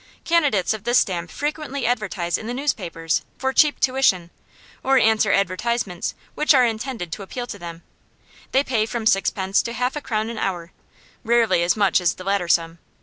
Candidates of this stamp frequently advertise in the newspapers for cheap tuition, or answer advertisements which are intended to appeal to them; they pay from sixpence to half a crown an hour rarely as much as the latter sum.